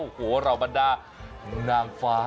โอ้โหรำหน้านางฟ้า